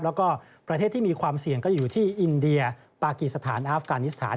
แล้วก็ประเทศที่มีความเสี่ยงก็อยู่ที่อินเดียปากีสถานอาฟกานิสถาน